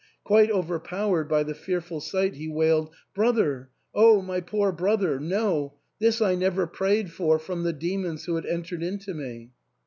Quite overpowered by the fearful sight he wailed, " Brother ! O my poor brother ! No ; this I never prayed for from the demons who had entered into me.